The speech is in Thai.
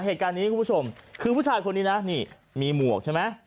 เหตุการณ์นี้คุณผู้ชมคือผู้ชายคนนี้นะนี่มีหมวกใช่ไหม